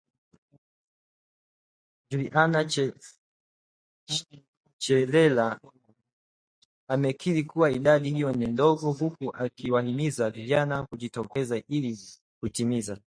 Juliana Cherera amekiri kuwa idadi hiyo ni ndogo huku akiwahimiza vijana kujitokeza ili kutimiza